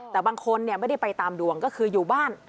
แต่บางคนไม่ได้ไปตามดวงก็คืออยู่บ้าน